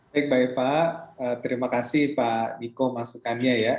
baik mbak eva terima kasih pak diko masukannya ya